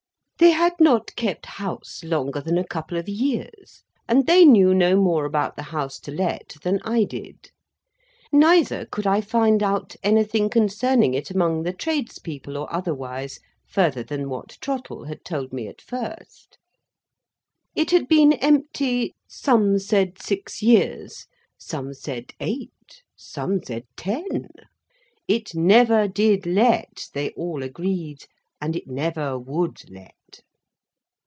They had not kept house longer than a couple of years, and they knew no more about the House to Let than I did. Neither could I find out anything concerning it among the trades people or otherwise; further than what Trottle had told me at first. It had been empty, some said six years, some said eight, some said ten. It never did let, they all agreed, and it never would let.